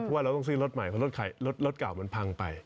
เพราะว่าเราต้องซื้อรถใหม่เพราะรถไข่รถเก่ามันพังไป